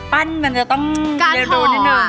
ปั้นมันจะต้องเดี๋ยวดูนิดนึง